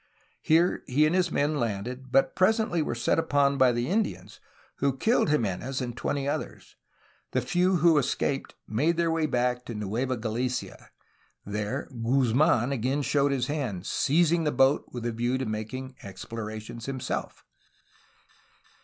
Here, he and his men landed, but presently were set upon by the Indians, who killed Jimenez and twenty others. The few who escaped made their way back to Nueva Gali cia. There Guzmdn again showed his hand, seizing the boat with a view to making explorations himself.